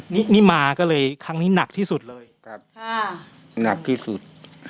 นี่มาก็เลยครั้งนี้หนักที่สุดเลยหนักที่สุด